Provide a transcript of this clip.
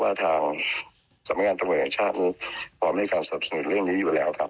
ว่าทางสำนักงานตำรวจแห่งชาตินี้พร้อมในการสนับสนุนเรื่องนี้อยู่แล้วครับ